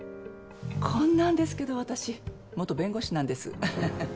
こんなんですけど私元弁護士なんですはははっ。